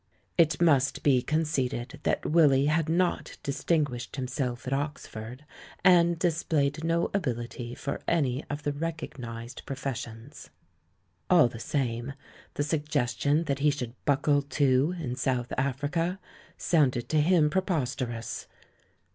It must be conceded that Willy had not dis tinguished himself at Oxford, and displayed no ability for any of the recognised professions. All the same, the suggestion that he should buckle to in South Africa sounded to him pre posterous.